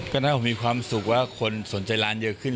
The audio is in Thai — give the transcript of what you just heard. ก็น่ามีความสุขว่าคนสนใจร้านเยอะขึ้น